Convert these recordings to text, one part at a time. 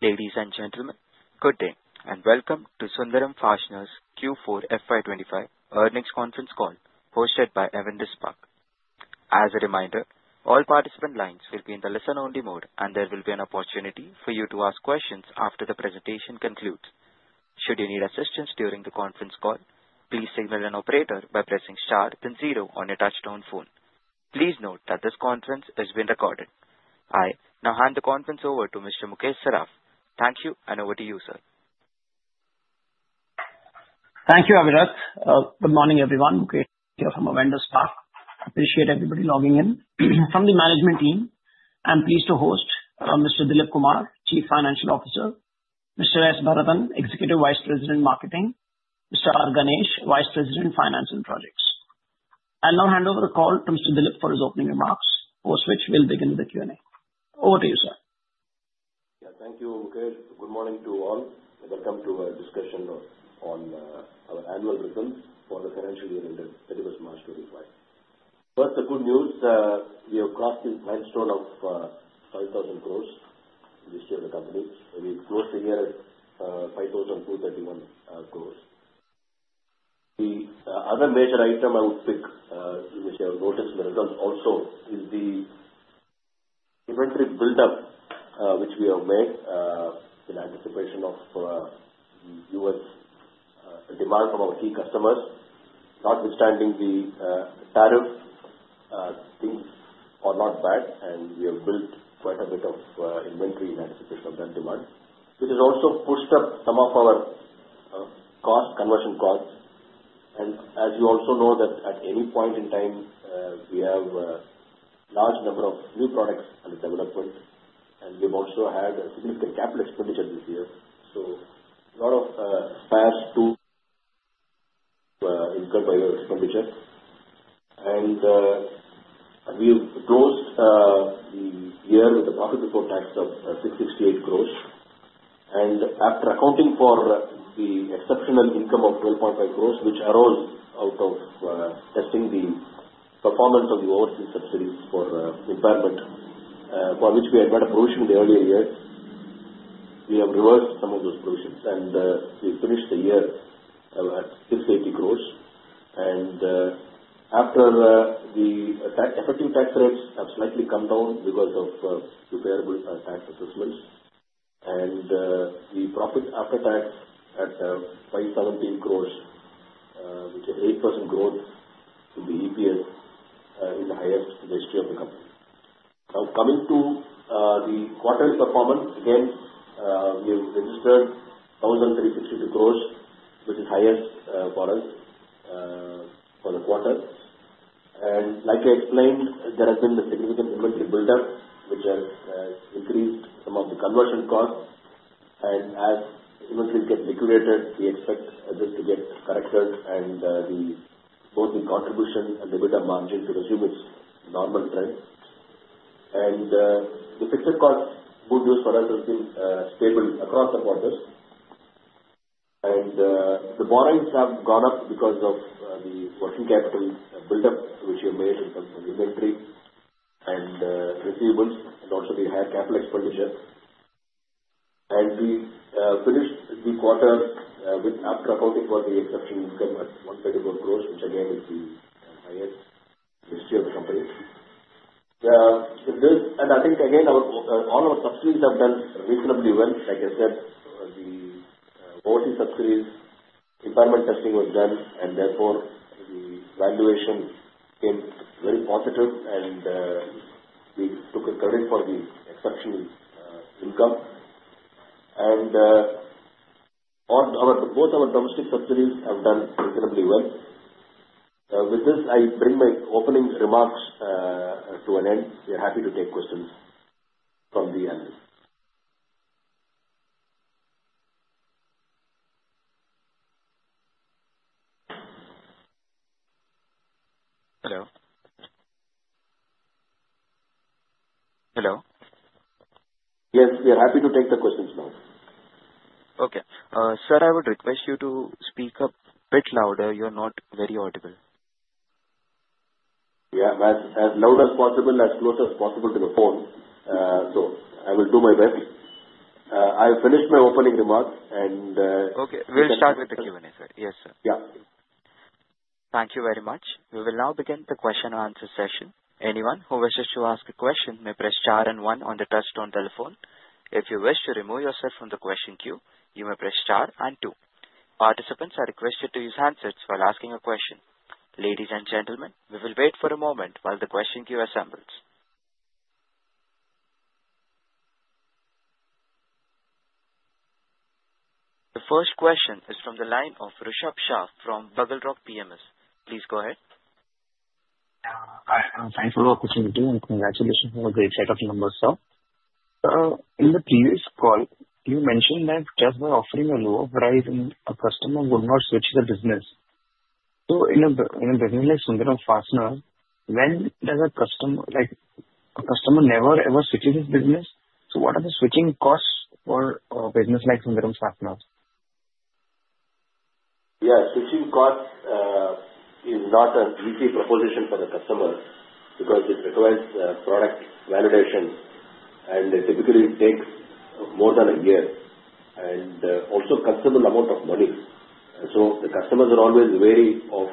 Ladies and gentlemen, good day and welcome to Sundram Fasteners Q4 FY 2025 earnings conference call, hosted by Avendus Spark. As a reminder, all participant lines will be in the listen-only mode, and there will be an opportunity for you to ask questions after the presentation concludes. Should you need assistance during the conference call, please signal an operator by pressing star then zero on your touch-tone phone. Please note that this conference is being recorded. I now hand the conference over to Mr. Mukesh Saraf. Thank you, and over to you, sir. Thank you, Avirat. Good morning, everyone. Mukesh here from Avendus Spark. Appreciate everybody logging in. From the management team, I'm pleased to host Mr. Dilip Kumar, Chief Financial Officer, Mr. S. Bharathan, Executive Vice President of Marketing, Mr. R. Ganesh, Vice President of Financial Projects. I'll now hand over the call to Mr. Dilip for his opening remarks, after which we'll begin with the Q&A. Over to you, sir. Yeah, thank you, Mukesh. Good morning to all. Welcome to our discussion on our annual results for the financial year ended 31st March 2025. First, the good news, we have crossed the milestone of 5,000 crores this year in the company. We closed the year at 5,231 crores. The other major item I would pick, which I have noticed in the results also, is the inventory build-up which we have made in anticipation of the U.S. demand from our key customers. Notwithstanding the tariff, things are not bad, and we have built quite a bit of inventory in anticipation of that demand, which has also pushed up some of our costs, conversion costs, and as you also know, at any point in time, we have a large number of new products under development, and we've also had significant capital expenditure this year. A lot of spares too incurred by our expenditure. We have closed the year with a profit before tax of 668 crores. After accounting for the exceptional income of 12.5 crores, which arose out of testing the performance of the overseas subsidiaries for impairment, for which we had made a provision in the earlier years, we have reversed some of those provisions, and we finished the year at 680 crores. After the effective tax rates, they have slightly come down because of deferred tax adjustments. The profit after tax at 517 crores, which is 8% growth in the EPS, is the highest in the history of the company. Now, coming to the quarterly performance, again, we have registered 1,362 crores, which is highest for us for the quarter. Like I explained, there has been a significant inventory build-up, which has increased some of the conversion costs. As inventories get liquidated, we expect this to get corrected, and both the contribution margin and the PBT margin to resume its normal trend. The fixed cost good news for us has been stable across the quarters. The borrowings have gone up because of the working capital build-up, which we have made in the inventory and receivables, and also the higher capital expenditure. We finished the quarter with, after accounting for the exceptional income, INR 131 crores, which again is the highest in the history of the company. I think, again, all our subsidiaries have done reasonably well. Like I said, the overseas subsidiaries' impairment testing was done, and therefore the valuation came very positive, and we took a credit for the exceptional income. Both our domestic subsidiaries have done reasonably well. With this, I bring my opening remarks to an end. We are happy to take questions from the analysts. Hello. Hello. Yes, we are happy to take the questions now. Okay. Sir, I would request you to speak up a bit louder. You're not very audible. Yeah, as loud as possible, as close as possible to the phone. So I will do my best. I finished my opening remarks, and. Okay. We'll start with the Q&A, sir. Yes, sir. Yeah. Thank you very much. We will now begin the question-and-answer session. Anyone who wishes to ask a question may press star and one on the touch-tone telephone. If you wish to remove yourself from the question queue, you may press star and two. Participants are requested to use handsets while asking a question. Ladies and gentlemen, we will wait for a moment while the question queue assembles. The first question is from the line of Rishabh Shah from BugleRock PMS. Please go ahead. Hi. Thanks for the opportunity, and congratulations on a great set of numbers, sir. In the previous call, you mentioned that just by offering a lower price, a customer would not switch the business. So in a business like Sundram Fasteners, when does a customer never ever switch his business? So what are the switching costs for a business like Sundram Fasteners? Yeah, switching costs is not an easy proposition for the customer because it requires product validation, and it typically takes more than a year, and also a considerable amount of money. So the customers are always wary of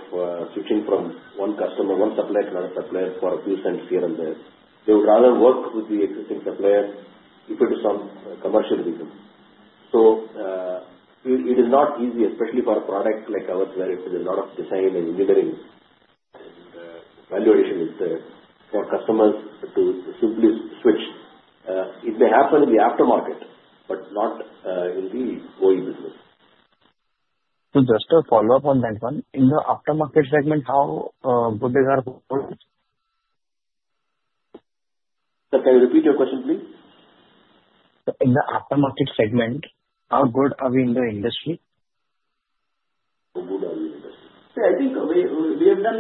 switching from one supplier to another supplier for a few cents here and there. They would rather work with the existing supplier if it is some commercial reason. So it is not easy, especially for a product like ours, where there is a lot of design and engineering. And validation is there for customers to simply switch. It may happen in the aftermarket, but not in the OE business. So just to follow up on that one, in the aftermarket segment, how good is our performance? Sir, can you repeat your question, please? In the aftermarket segment, how good are we in the industry? How good are we in the industry? See, I think we have done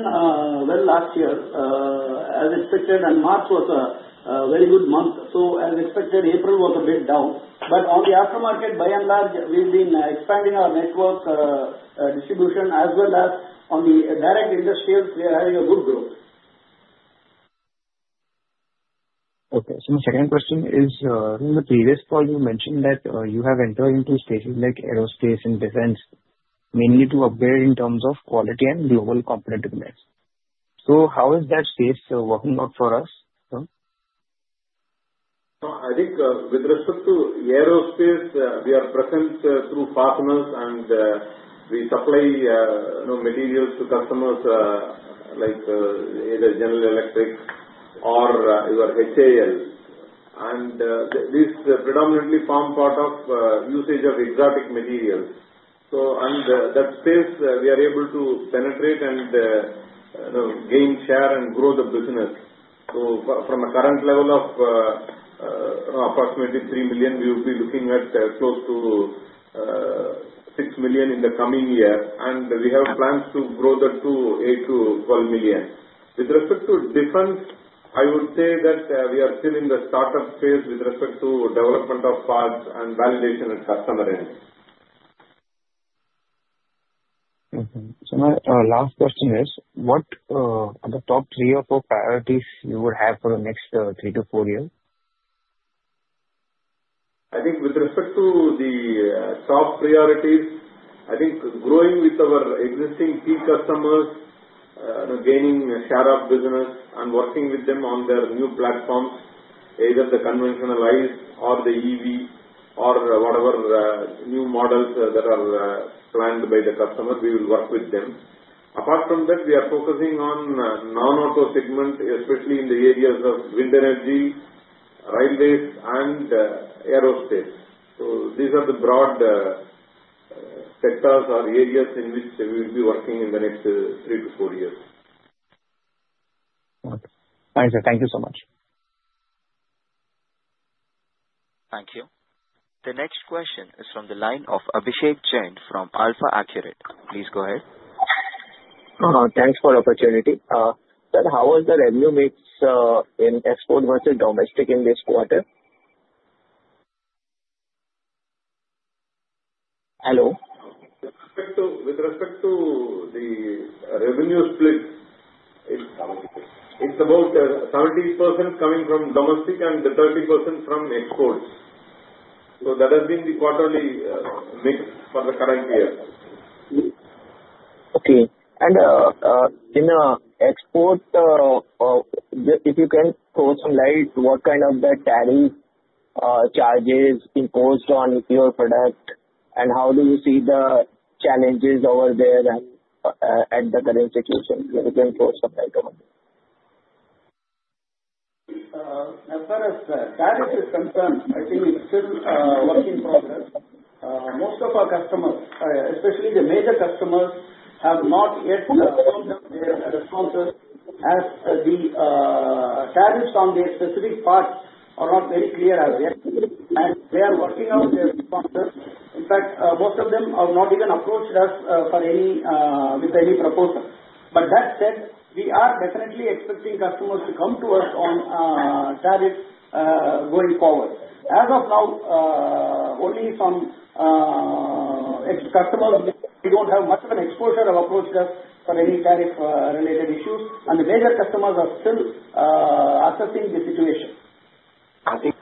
well last year, as expected, and March was a very good month. So as expected, April was a bit down. But on the aftermarket, by and large, we've been expanding our network distribution, as well as on the direct industrials, we are having a good growth. Okay. So my second question is, in the previous call, you mentioned that you have entered into spaces like aerospace and defense, mainly to operate in terms of quality and global competitiveness. So how is that space working out for us, sir? So I think with respect to aerospace, we are present through fasteners, and we supply materials to customers like either General Electric or HAL. And this predominantly forms part of usage of exotic materials. So in that space, we are able to penetrate and gain share and grow the business. So from the current level of approximately $3 million, we will be looking at close to $6 million in the coming year. And we have plans to grow that to $8 million to $12 million. With respect to defense, I would say that we are still in the startup phase with respect to development of parts and validation at customer end. Sir, my last question is, what are the top three or four priorities you would have for the next three to four years? I think with respect to the top priorities, I think growing with our existing key customers, gaining share of business, and working with them on their new platforms, either the conventional or the EV or whatever new models that are planned by the customers, we will work with them. Apart from that, we are focusing on the non-auto segment, especially in the areas of wind energy, railways, and aerospace, so these are the broad sectors or areas in which we will be working in the next three to four years. Thank you, sir. Thank you so much. Thank you. The next question is from the line of Abhishek Jain from AlfAccurate. Please go ahead. Thanks for the opportunity. Sir, how was the revenue mix in export versus domestic in this quarter? Hello? With respect to the revenue split, it's about 70% coming from domestic and 30% from exports. So that has been the quarterly mix for the current year. Okay. And in export, if you can throw some light, what kind of tariff charges are imposed on your product, and how do you see the challenges over there at the current situation? You can throw some light on it. As far as tariffs are concerned, I think it's still a working process. Most of our customers, especially the major customers, have not yet performed their responses as the tariffs on their specific parts are not very clear as yet, and they are working out their responses. In fact, most of them have not even approached us with any proposal. But that said, we are definitely expecting customers to come to us on tariffs going forward. As of now, only some customers we don't have much of an exposure have approached us for any tariff-related issues, and the major customers are still assessing the situation. I think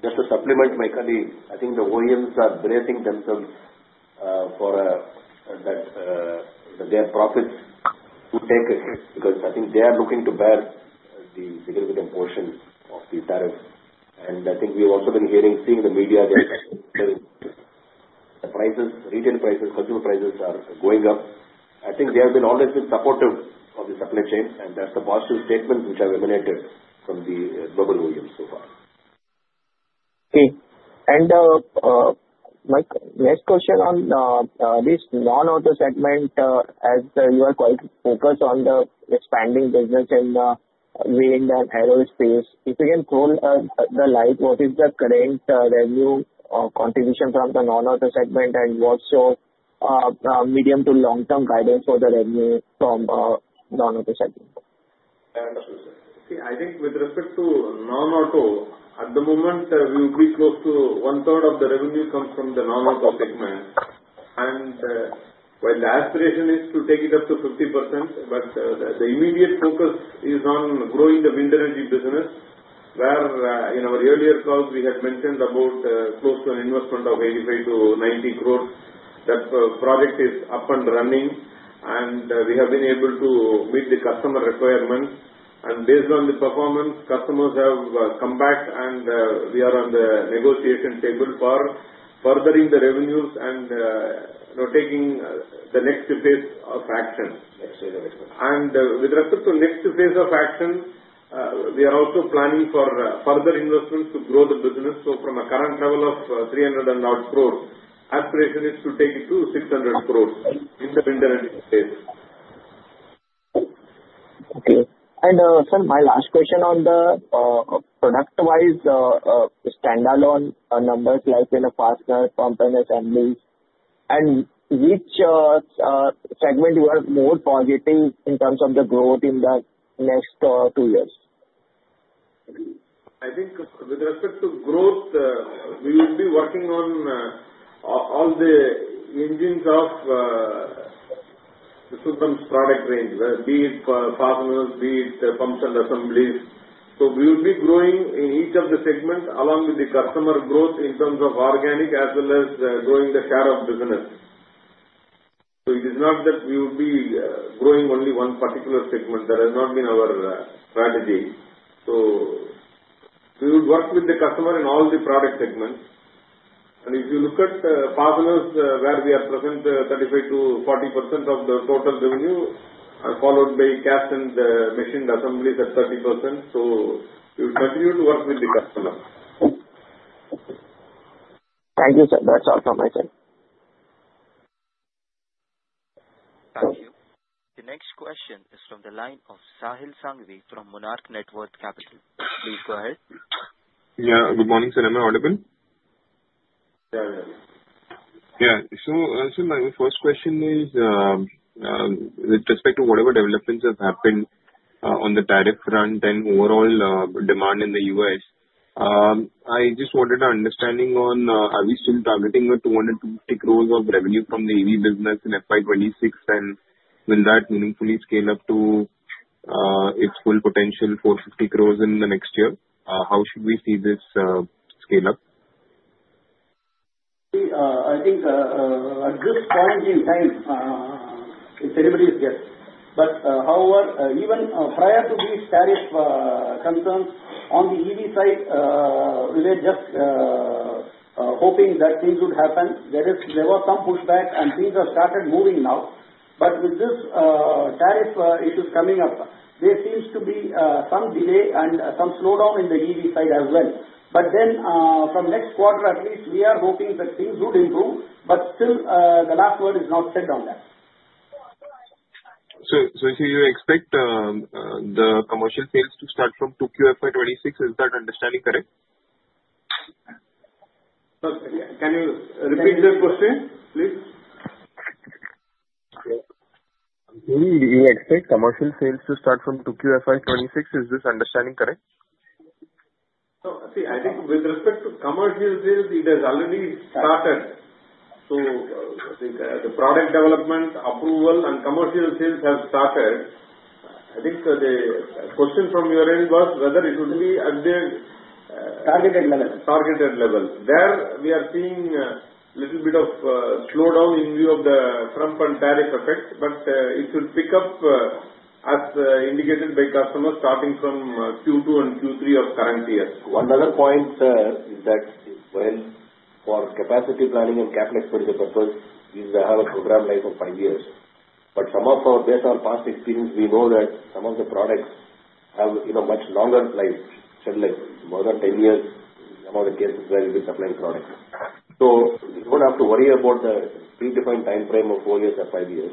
just to supplement to my colleague, I think the OEMs are bracing themselves for their profits to take a hit because I think they are looking to bear the significant portion of the tariffs, and I think we've also been hearing, seeing in the media that the prices, retail prices, consumer prices are going up. I think they have always been supportive of the supply chain, and that's the positive statements which have emanated from the global OEMs so far. Okay. And my next question on this non-auto segment, as you are quite focused on the expanding business in wind and aerospace, if you can throw the light, what is the current revenue contribution from the non-auto segment, and what's your medium to long-term guidance for the revenue from the non-auto segment? See, I think with respect to non-auto, at the moment, we would be close to one-third of the revenue comes from the non-auto segment. My long-term reason is to take it up to 50%, but the immediate focus is on growing the wind energy business, wherein our earlier calls, we had mentioned about close to an investment of 85 crores-90 crores. That project is up and running, and we have been able to meet the customer requirements. Based on the performance, customers have come back, and we are on the negotiation table for furthering the revenues and taking the next phase of action. With respect to the next phase of action, we are also planning for further investments to grow the business. From a current level of 300-odd crores, our aspiration is to take it to 600 crores in the wind energy space. Okay. And sir, my last question on the product-wise standalone numbers like in Fasteners, components and mills, and which segment you are more positive in terms of the growth in the next two years? I think with respect to growth, we will be working on all the engines of the Sundram Fasteners' product range, be it Fasteners, be it Pumps & Assemblies. So we will be growing in each of the segments along with the customer growth in terms of organic as well as growing the share of business. So it is not that we would be growing only one particular segment. That has not been our strategy. So we would work with the customer in all the product segments. And if you look at Fasteners, where we are present, 35%-40% of the total revenue are followed by Caps and machined assemblies at 30%. So we will continue to work with the customer. Thank you, sir. That's all from my side. Thank you. The next question is from the line of Sahil Sanghvi from Monarch Networth Capital. Please go ahead. Yeah. Good morning, sir. Am I audible? Yeah, yeah, yeah. Yeah. So my first question is, with respect to whatever developments have happened on the tariff front and overall demand in the U.S., I just wanted an understanding on, are we still targeting the 250 crores of revenue from the EV business in FY 2026, and will that meaningfully scale up to its full potential 450 crores in the next year? How should we see this scale up? I think at this point in time, it's anybody's guess. But however, even prior to these tariff concerns on the EV side, we were just hoping that things would happen. There was some pushback, and things have started moving now. But with this tariff issue coming up, there seems to be some delay and some slowdown in the EV side as well. But then from next quarter, at least, we are hoping that things would improve, but still the last word is not said on that. So you expect the commercial sales to start from 2Q FY 2026? Is that understanding correct? Can you repeat that question, please? You expect commercial sales to start from 2Q FY 2026. Is this understanding correct? So, see, I think with respect to commercial sales, it has already started. So the product development approval and commercial sales have started. I think the question from your end was whether it would be at the— Targeted level. Targeted level. There we are seeing a little bit of slowdown in view of the Trump and tariff effect, but it should pick up as indicated by customers starting from Q2 and Q3 of current year. Another point, sir, is that for capacity planning and capital expenditure purposes, we have a program life of five years. But based on past experience, we know that some of the products have much longer life, more than 10 years, in some of the cases where we've been supplying products. So we don't have to worry about the predefined time frame of four years or five years.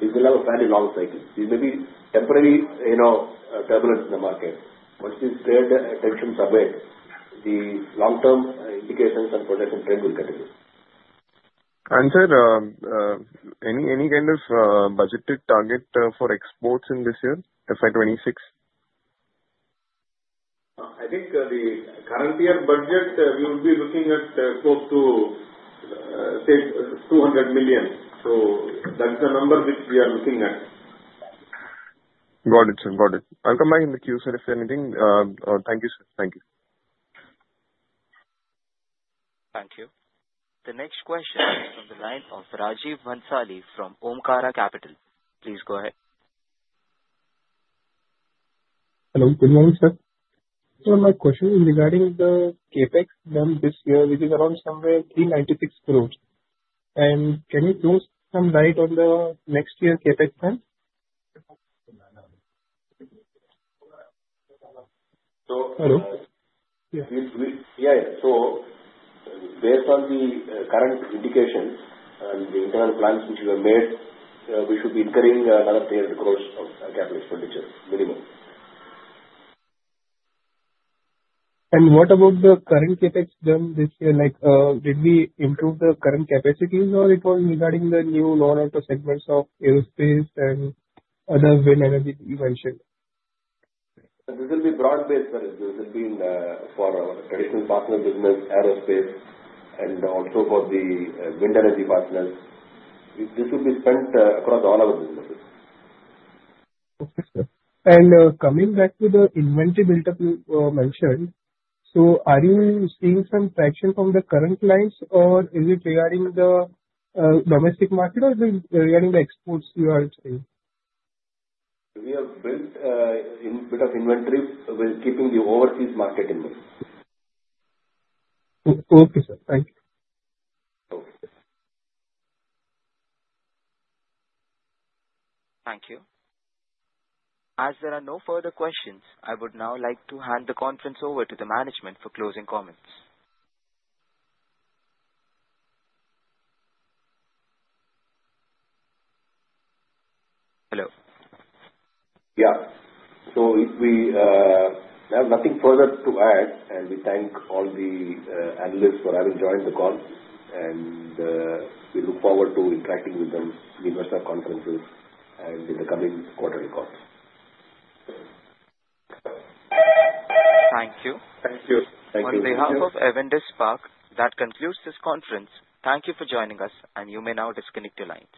We will have a fairly long cycle. There may be temporary turbulence in the market. Once these trade tensions subside, the long-term indications and projection trend will continue. Sir, any kind of budgeted target for exports in this year, FY 2026? I think the current year budget, we will be looking at close to, say, $200 million. So that's the number which we are looking at. Got it, sir. Got it. I'll come back in the queue, sir, if there's anything. Thank you, sir. Thank you. Thank you. The next question is from the line of Rajeev Bhansali from Omkara Capital. Please go ahead. Hello. Good morning, sir. Sir, my question is regarding the CapEx done this year, which is around somewhere 396 crores, and can you throw some light on the next year's CapEx plan? Yeah, yeah. Based on the current indications and the internal plans which we have made, we should be incurring another 300 crores of capital expenditure, minimum. And what about the current CapEx done this year? Did we improve the current capacities, or it was regarding the new non-auto segments of aerospace and other wind energy that you mentioned? This will be broad-based, sir. This will be for our traditional partner business, aerospace, and also for the wind energy partners. This will be spent across all our businesses. Okay, sir, and coming back to the inventory build-up you mentioned, so are you seeing some traction from the current lines, or is it regarding the domestic market, or is it regarding the exports you are seeing? We have built a bit of inventory while keeping the overseas market in mind. Okay, sir. Thank you. Okay. Thank you. As there are no further questions, I would now like to hand the conference over to the management for closing comments. Hello. Yeah, so we have nothing further to add, and we thank all the analysts for having joined the call, and we look forward to interacting with them in the rest of the conferences and in the coming quarterly calls. Thank you. Thank you. Thank you. On behalf of Avendus Spark, that concludes this conference. Thank you for joining us, and you may now disconnect your lines.